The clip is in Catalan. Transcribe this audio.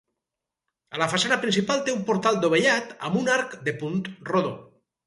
A la façana principal té un portal dovellat amb un arc de punt rodó.